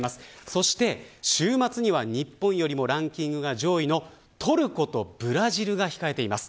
そして週末には日本よりもランキングが上位のトルコとブラジルが控えています。